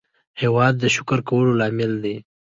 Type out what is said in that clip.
هېواد د شکر کولو لامل دی.